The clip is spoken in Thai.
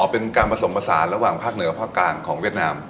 เป็นการผสมผสานระหว่างภาคเหนือภาคกลางของเวียดนาม